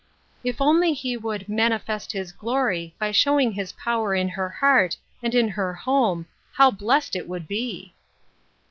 If only He would "manifest His glory" by showing his power in her heart and in her home, how blessed it would be